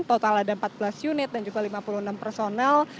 total ada empat belas unit dan juga lima puluh enam personel